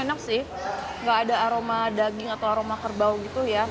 enak sih nggak ada aroma daging atau aroma kerbau gitu ya